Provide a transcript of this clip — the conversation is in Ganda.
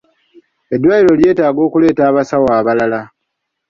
Eddwaliro lyetaaga okuleeta abasawo abalala.